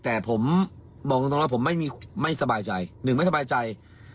แต่ผมบอกจริงตรงเราผมไม่มีไม่สบายใจหนึ่งไม่สบายใจ